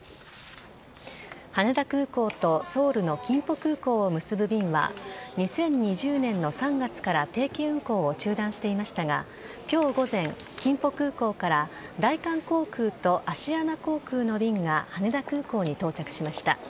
羽田空港とソウルの金浦空港を結ぶ便は２０２０年の３月から定期運航を中断していましたが今日午前、金浦空港から大韓航空とアシアナ航空の便が羽田空港に到着しました。